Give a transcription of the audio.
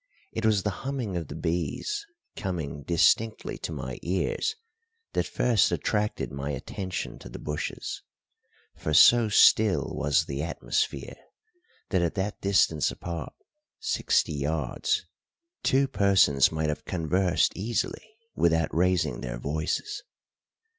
It was the humming of the bees coming distinctly to my ears that first attracted my attention to the bushes; for so still was the atmosphere that at that distance apart sixty yards two persons might have conversed easily without raising their voices.